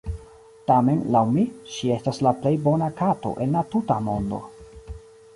Tamen, laŭ mi, ŝi estas la plej bona kato en la tuta mondo.